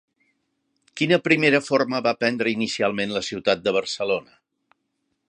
Quina primera forma va prendre inicialment la ciutat de Barcelona?